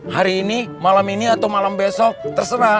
hari ini malam ini atau malam besok terserah